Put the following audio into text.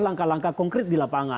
langkah langkah konkret di lapangan